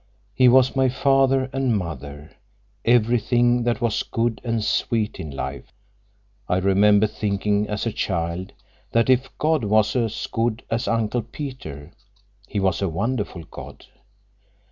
He was my father and mother, everything that was good and sweet in life. I remember thinking, as a child, that if God was as good as Uncle Peter, He was a wonderful God.